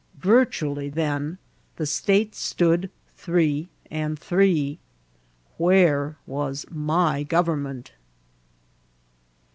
Virtually, then, the states stood ^^ three and three." Where was my government